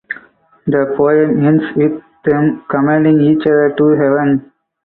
The poem ends with them commending each other to heaven.